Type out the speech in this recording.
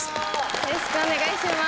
よろしくお願いします！